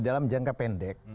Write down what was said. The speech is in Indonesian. dalam jangka pendek